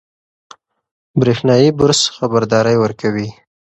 برېښنایي برس خبرداری ورکوي.